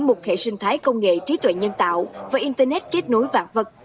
một hệ sinh thái công nghệ trí tuệ nhân tạo và internet kết nối vạn vật